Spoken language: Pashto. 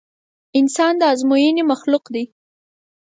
انسان د ازموينې مخلوق دی.